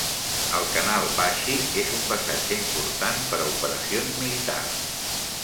El canal Bashi és un passatge important per a operacions militars.